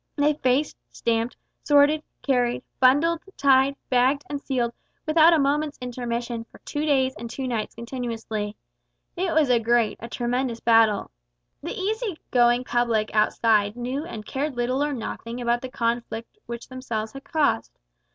They faced, stamped, sorted, carried, bundled, tied, bagged, and sealed without a moment's intermission for two days and two nights continuously. It was a great, a tremendous battle! The easy going public outside knew and cared little or nothing about the conflict which themselves had caused.